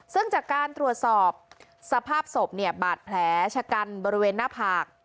ซึ่งจากการตรวจสอบสภาพศพเนี่ยบาดแผลชะกันบริเวณหน้าผาก